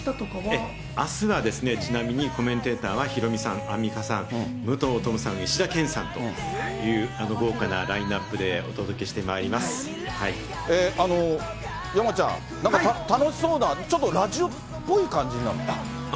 あすは、ちなみに、コメンテーターはヒロミさん、アンミカさん、むとうさん、いしだけんさんという豪華なラインナップでお届け山ちゃん、なんか楽しそうな、ちょっとラジオっぽい感じなの？